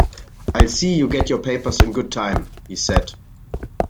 “I'll see you get your papers in good time,” he said.